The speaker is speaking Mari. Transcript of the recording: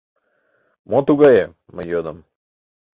— Мо тугае? — мый йодым.